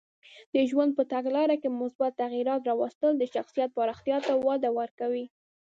د ژوند په تګلاره کې مثبت تغییرات راوستل د شخصیت پراختیا ته وده ورکوي.